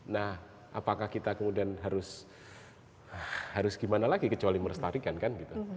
nah apakah kita kemudian harus gimana lagi kecuali merestarikan kan gitu